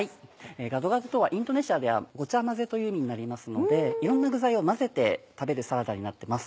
ガドガドとはインドネシアでは「ごちゃ混ぜ」という意味になりますのでいろんな具材を混ぜて食べるサラダになってます。